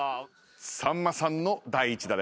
さんまさんの第１打です。